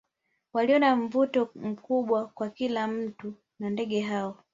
Walio na mvuto mkubwa kwa kila mtu na ndege hao